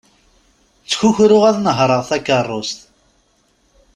Ttkukruɣ ad nehreɣ takerrust.